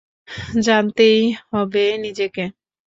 জানতেই হবে নিজেকে।